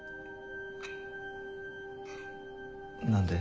何で？